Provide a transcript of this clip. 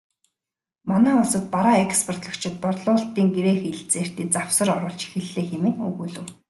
Манай улсад бараа экспортлогчид борлуулалтын гэрээ хэлэлцээртээ засвар оруулж эхэллээ хэмээн өгүүлэв.